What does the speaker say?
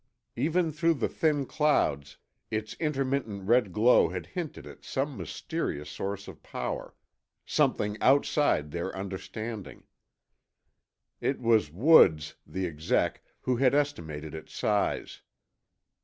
Even through the thin clouds, its intermittent red glow had hinted at some mysterious source of power. Something outside their understanding. It was Woods, the exec, who had estimated its size.